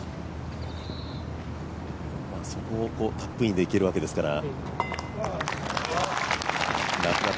そこをタップインでいけるわけですから。